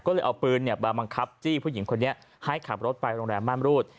ก็เลยเอาปืนมาบังคับจี้ผู้หญิงคนนี้ให้ขับรถไปโรงแรมม่ามรูด